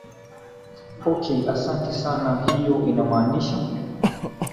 okay asanti sana hiyo inamaanisha